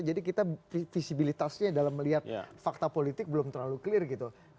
jadi kita visibilitasnya dalam melihat fakta politik belum terlalu clear gitu